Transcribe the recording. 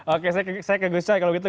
oke saya ke gus choy kalau begitu